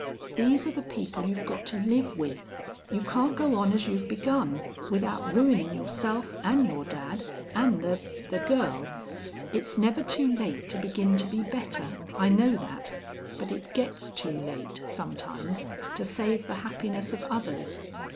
These are the people you've got to live with. You can't go on as you've begun, without ruinin' yourself an' your dad an' the the girl.... It's never too late to begin to be better. I know that. But it gets too late, sometimes, to save the happiness of others.